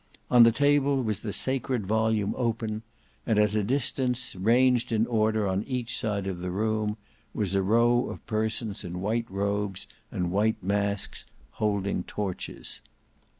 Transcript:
On the table was the sacred volume open, and at a distance, ranged in order on each side of the room, was a row of persons in white robes and white masks, and holding torches.